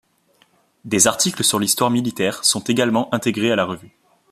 Des articles sur l'histoire militaire sont également intégrés à la revue.